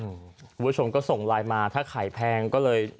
คุณผู้ชมก็ส่งไลน์มาถ้าไข่แพงก็เลย